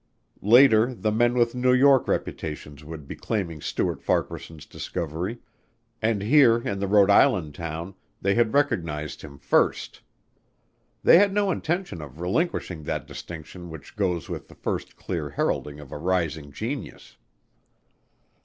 Later the men with New York reputations would be claiming Stuart Farquaharson's discovery, and here in the Rhode Island town they had recognized him first. They had no intention of relinquishing that distinction which goes with the first clear heralding of a rising genius.